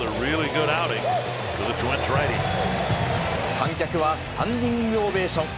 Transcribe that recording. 観客はスタンディングオベーション。